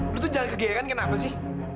lu tuh jangan kegiatan kenapa sih